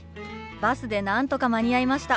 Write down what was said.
バスでなんとか間に合いました。